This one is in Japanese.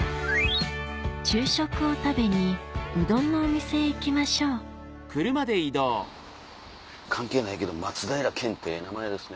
昼食を食べにうどんのお店へ行きましょう関係ないけど松平健ってええ名前ですね。